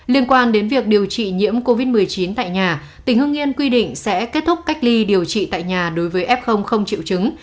liên quan đến việc điều trị nhiễm covid một mươi chín tại nhà tỉnh hưng yên quy định sẽ kết thúc cách ly điều trị tại nhà đối với f không triệu chứng